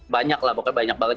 banyak lah pokoknya banyak banget